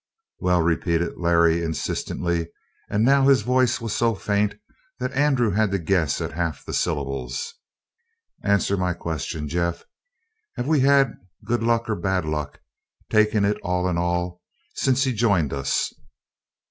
"Well," repeated Larry insistently, and now his voice was so faint that Andrew had to guess at half the syllables, "answer my question, Jeff: Have we had good luck or bad luck, takin' it all in all, since he joined us?"